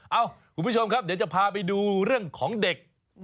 เอ้าคุณผู้ชมครับเดี๋ยวจะพาไปดูเรื่องของเด็ก